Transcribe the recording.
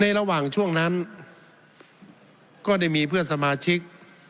ระหว่างช่วงนั้นก็ได้มีเพื่อนสมาชิก